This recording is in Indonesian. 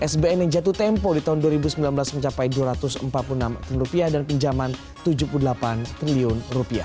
sbn yang jatuh tempo di tahun dua ribu sembilan belas mencapai rp dua ratus empat puluh enam triliun dan pinjaman rp tujuh puluh delapan triliun